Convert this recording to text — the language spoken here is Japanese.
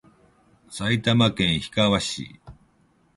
埼玉県桶川市